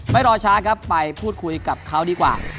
รอช้าครับไปพูดคุยกับเขาดีกว่า